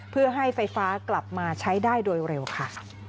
เพื่อให้ไฟฟ้ากลับมาใช้ได้โดยเร็วค่ะ